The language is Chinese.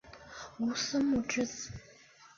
吴思穆之子。